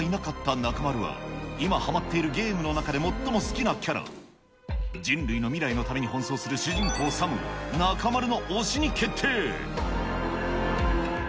特に推しがいなかった中丸は、今ハマっているゲームの中で最も好きなキャラ、人類の未来のために奔走する主人公、サムは、中丸の推しに決定。